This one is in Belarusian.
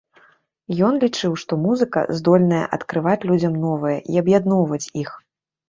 Ён лічыў, што музыка здольная адкрываць людзям новае і аб'ядноўваць іх.